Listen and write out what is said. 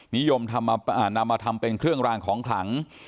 นิยมนำมาทำเป็นเครื่องรางของขลัง